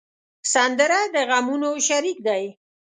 سندره د غمونو شریک دی